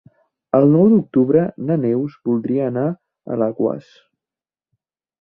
El nou d'octubre na Neus voldria anar a Alaquàs.